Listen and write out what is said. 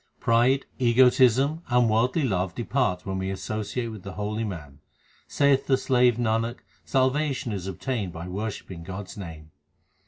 Pride, egotism, and worldly love depart when we associate with the holy man. Saiththe slave Nanak, salvation is obtained by worshipping God s name.